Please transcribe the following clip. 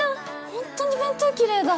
ほんとに弁当きれいだ。